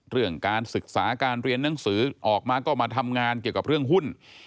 เรื่องการศึกษาการเรียนหนังสือออกมาก็มาทำงานเกี่ยวกับเรื่องหุ้น